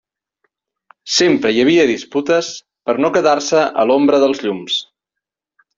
Sempre hi havia disputes per no quedar-se a l'ombra dels llums.